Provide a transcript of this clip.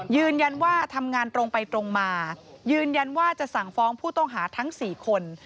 ยืนยันว่าทำงานตรงไปตรงมายืนยันว่าจะสั่งฟ้องผู้ต้องหาทั้ง๔คน